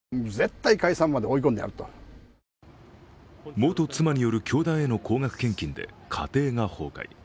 元妻による教団への高額献金で家庭が崩壊。